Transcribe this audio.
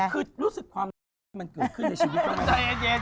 ครึ่งรู้สึกความนี่มันเกิดขึ้นในชีวิต